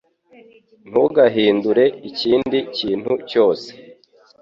Ntugahindure ikindi kintu cyose